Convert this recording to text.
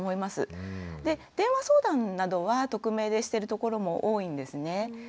で電話相談などは匿名でしてる所も多いんですね。